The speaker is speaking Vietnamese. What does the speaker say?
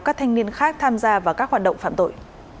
các thanh niên khác tham gia vào các hoạt động phạm tội